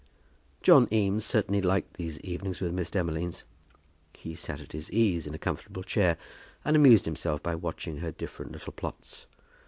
John Eames certainly liked these evenings with Miss Demolines. He sat at his ease in a comfortable chair, and amused himself by watching her different little plots.